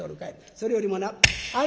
それよりもなあね